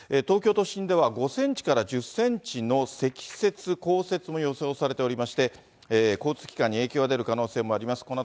東京都心では、５センチから１０センチの積雪、降雪も予想されておりまして、交通機関に影響が出る可能性もあります。